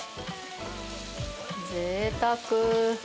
ぜいたく。